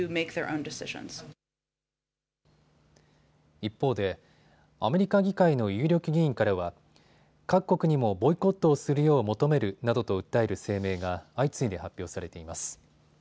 一方でアメリカ議会の有力議員からは各国にもボイコットをするよう求めるなどと訴える声明が相次いで発表されています。